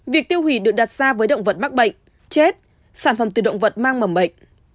việc tiêu hủy được đặt ra với động vật mắc bệnh chết sản phẩm từ động vật mang mầm bệnh